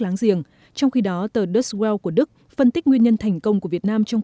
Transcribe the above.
láng giềng trong khi đó tờ duts well của đức phân tích nguyên nhân thành công của việt nam trong